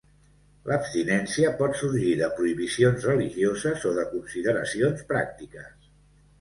L'abstinència pot sorgir de prohibicions religioses o de consideracions pràctiques.